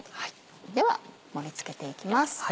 では盛り付けていきます。